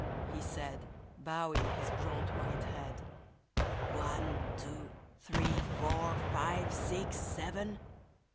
" he said, Bowing his grand white head. *' One, two, three, four, five, six, seven